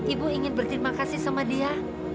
ibu ingin berterima kasih sama dia